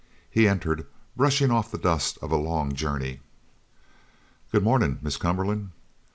He entered, brushing off the dust of a long journey. "Good mornin', Miss Cumberland."